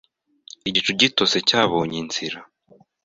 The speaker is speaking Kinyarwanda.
Igicu gitose cyabonye inzira